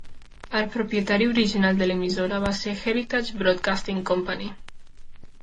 El propietari original de l'emissora va ser Heritage Broadcasting Company.